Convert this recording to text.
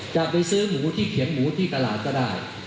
จะไปซื้อหมูที่เขียงหมูที่ตลาดก็ได้